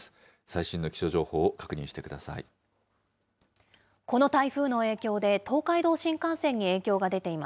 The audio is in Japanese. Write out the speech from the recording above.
最新の気象情報を確認してください。